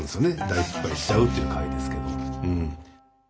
大失敗しちゃうっていう回ですけど。